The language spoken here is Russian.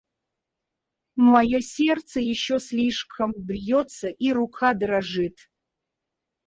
Мое сердце еще слишком бьется, и рука дрожит.